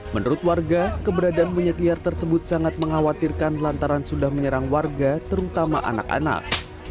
menurut warga keberadaan monyet liar tersebut sangat mengkhawatirkan lantaran sudah menyerang warga terutama anak anak